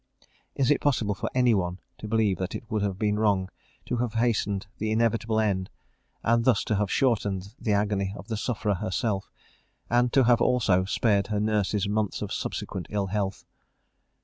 Is it possible for any one to believe that it would have been wrong to have hastened the inevitable end, and thus to have shortened the agony of the sufferer herself, and to have also spared her nurses months of subsequent ill health.